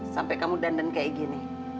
sampai kamu dandan kayak gini